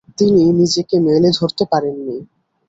তিনি নিজেকে মেলে ধরতে পারেননি।